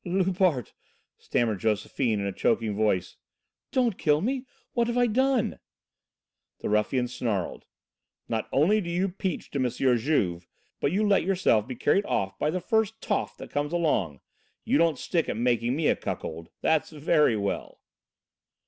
"Loupart," stammered Josephine, in a choking voice, "don't kill me what have I done?" The ruffian snarled. "Not only do you peach to M. Juve, but you let yourself be carried off by the first toff that comes along; you don't stick at making me a cuckold! That's very well!"